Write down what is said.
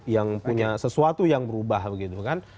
yang punya sesuatu yang berubah begitu kan